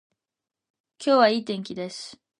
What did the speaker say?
今日は良い天気です